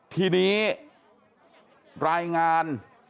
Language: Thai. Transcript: ทีนี้รายงาน